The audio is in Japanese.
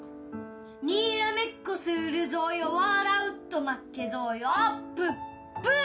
「にーらめっこするぞよ笑うと負けぞよあっぷっぷ！」